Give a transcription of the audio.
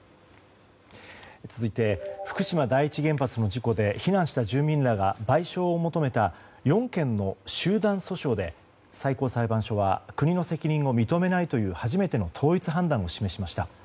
続いて福島第一原発の事故で避難した住民らが賠償を求めた４件の集団訴訟で最高裁判所は国の責任を認めないという初めての統一判断を示しました。